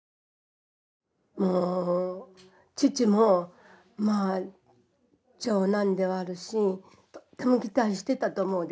父もまあ長男ではあるしとっても期待してたと思うんです。